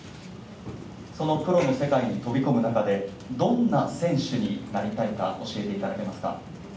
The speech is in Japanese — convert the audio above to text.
そのプロの世界に飛び込む中で、どんな選手になりたいか、教えていただけますか？